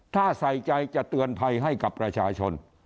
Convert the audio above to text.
ถ้าใส่ใจจะเตือนภัยให้กับประชาชน